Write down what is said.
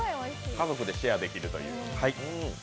家族でシェアできるという。